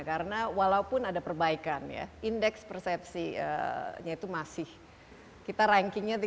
karena walaupun ada perbaikan ya indeks persepsinya itu masih kita rankingnya tiga puluh tujuh dari seratus